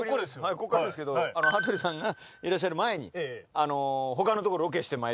ここからですけど羽鳥さんがいらっしゃる前に他のとこロケしてまいりまして。